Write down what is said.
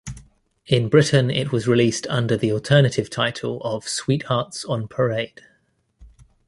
In Britain it was released under the alternative title of Sweethearts on Parade.